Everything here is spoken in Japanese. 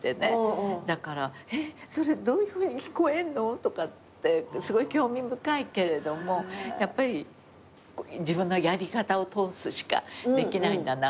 だからそれどういうふうに聞こえんの？とかってすごい興味深いけれどもやっぱり自分のやり方を通すしかできないんだなと思う。